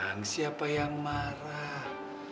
sayang siapa yang marah